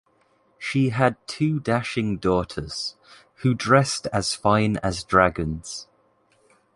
She had two dashing daughters, who dressed as fine as dragons.